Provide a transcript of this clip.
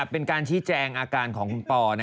เป็นการชี้แจงอาการของคุณปอ